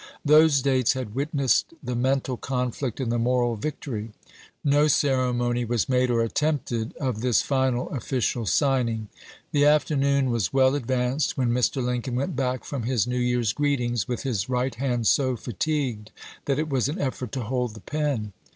Those dates had witnessed the mental conflict and the moral victory. No ceremony was made or attempted of this final official signing. The afternoon was well advanced when Mr. Lincoln went back from his New Year's greetings, with his right hand so fatigued that it was an effort to hold the pen.